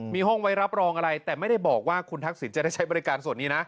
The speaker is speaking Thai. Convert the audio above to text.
มีห้องไว้รับรองอะไรแต่ไม่ได้บอกว่าคุณทักษิณจะได้ใช้บริการส่วนนี้นะ